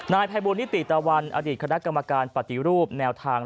นายภัยบูรณิติตะวันอดีตคณะกรรมการปฏิรูปแนวทาง